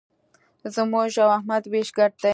زموږ او احمد وېش ګډ دی.